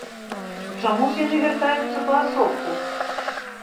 Чаму ж яны вяртаюцца паасобку?